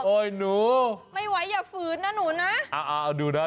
โอ้ยนูไม่ไหวอย่าฝืนนะหนูนะ